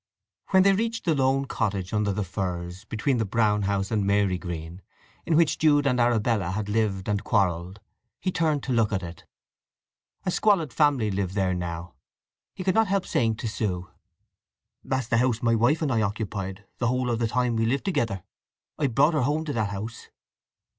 When they reached the lone cottage under the firs, between the Brown House and Marygreen, in which Jude and Arabella had lived and quarrelled, he turned to look at it. A squalid family lived there now. He could not help saying to Sue: "That's the house my wife and I occupied the whole of the time we lived together. I brought her home to that house."